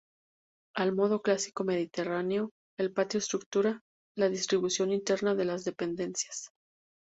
Al modo clásico mediterráneo, el patio estructura la distribución interna de las dependencias.